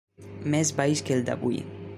Més baix que el d'avui.